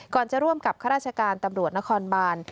จะร่วมกับข้าราชการตำรวจนครบาน